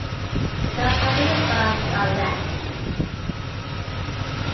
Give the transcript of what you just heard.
They got back in the bus and left.